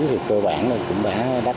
thì cơ bản cũng đã đắt được